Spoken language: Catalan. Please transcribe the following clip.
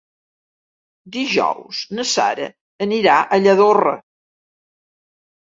Dijous na Sara anirà a Lladorre.